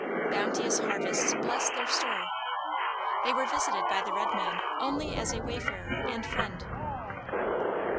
Bounteous harvests blessed their store. They were visited by the red man only as a wayfarer and friend.